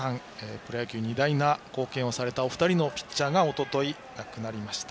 プロ野球に偉大な貢献をされたお二人のピッチャーがおととい亡くなりました。